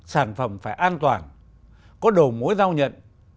sản phẩm phải an toàn có đầu mối giao nhận